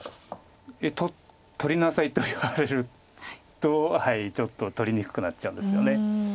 取りなさいと言われるとちょっと取りにくくなっちゃうんですよね。